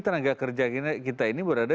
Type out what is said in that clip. tenaga kerja kita ini berada